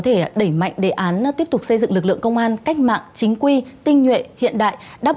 thể đẩy mạnh đề án tiếp tục xây dựng lực lượng công an cách mạng chính quy tinh nhuệ hiện đại đáp